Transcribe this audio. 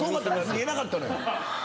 見えなかったのよ。